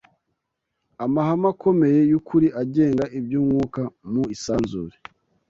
amahame akomeye y’ukuri agenga iby’umwuka mu isanzure